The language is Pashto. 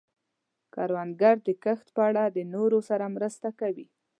کروندګر د کښت په اړه د نورو سره مرسته کوي